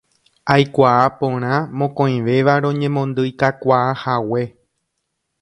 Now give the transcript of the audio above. Aikuaa porã mokõivéva roñemondyikakuaahague.